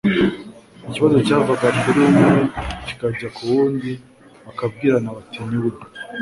Ikibazo cyavaga kuri umwe kikajya ku wundi bakabwirana bati : Ni we.